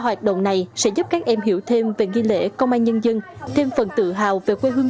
hoạt động này sẽ giúp các em hiểu thêm về nghi lễ công an nhân dân thêm phần tự hào về quê hương